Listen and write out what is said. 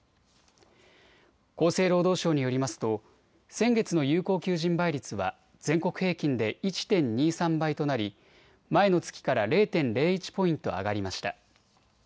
厚生労働省によりますと先月の有効求人倍率は全国平均で１．２３倍となり前の月から０．０１ポイント上がりました。